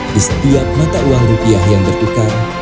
di setiap mata uang rupiah yang bertukar